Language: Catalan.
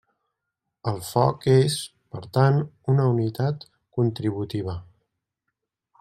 El foc és, per tant, una unitat contributiva.